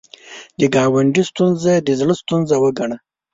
د ګاونډي ستونزه د زړه ستونزه وګڼه